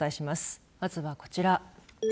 まずはこちら。